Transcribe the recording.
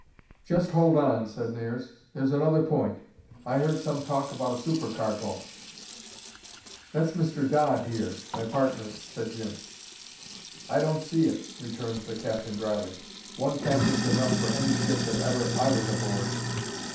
"Just hold on," said Nares. "There's another point. I heard some talk about a supercargo." "That's Mr. Dodd, here, my partner," said Jim. "I don't see it," returned the captain drily. "One captain's enough for any ship that ever I was aboard."